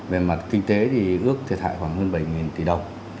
về mặt kinh tế thì ước thiệt hại khoảng hơn bảy tỷ đồng